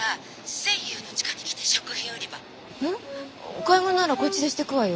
お買い物ならこっちでしてくわよ。